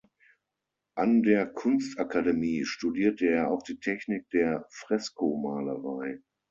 An der Kunstakademie studierte er auch die Technik der Freskomalerei.